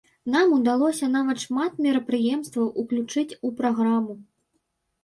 Нам удалося даволі шмат мерапрыемстваў уключыць у праграму.